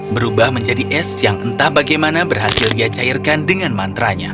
berubah menjadi es yang entah bagaimana berhasil dia cairkan dengan mantranya